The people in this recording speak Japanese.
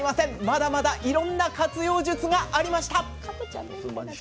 まだまだいろんな活用術がありました。